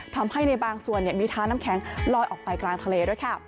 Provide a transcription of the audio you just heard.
ทำให้ในบางส่วนมีท้าน้ำแข็งลอยออกไปกลางทะเลด้วยค่ะ